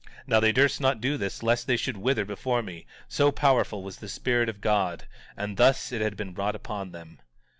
Now they durst not do this lest they should wither before me, so powerful was the Spirit of God; and thus it had wrought upon them.